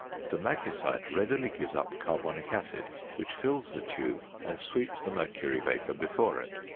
The magnesite readily gives up carbonic acid, which fills the tube and sweeps the mercury vapour before it.